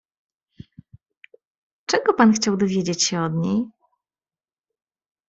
"Czego pan chciał dowiedzieć się od niej?"